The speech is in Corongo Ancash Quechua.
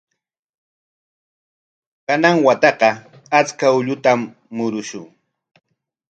Kanan wataqa achka ullukutam murushun.